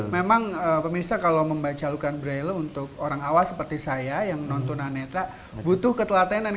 memang pemirsa kalau membaca al quran braille untuk orang awas seperti saya yang menonton anetra butuh ketelataan